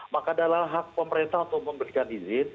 maka adalah hak pemerintah untuk memberikan izin